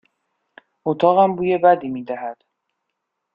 اتاقم بوی بدی می دهد.